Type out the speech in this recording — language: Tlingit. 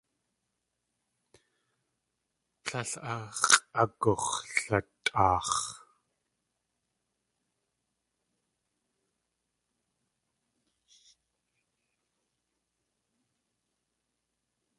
Tlél ax̲ʼagux̲latʼaax̲.